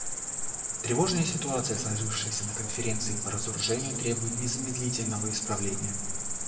Тревожная ситуация, сложившаяся на Конференции по разоружению, требует незамедлительного исправления.